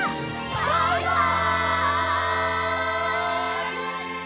バイバイ！